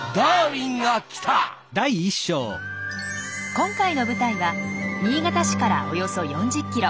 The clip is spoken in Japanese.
今回の舞台は新潟市からおよそ４０ｋｍ。